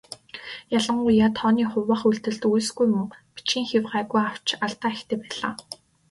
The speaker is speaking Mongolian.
Ялангуяа тооны хуваах үйлдэлд үйлсгүй муу, бичгийн хэв гайгүй авч алдаа ихтэй байлаа.